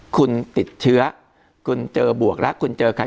คุณเจอบวกรักคุณเจอใคร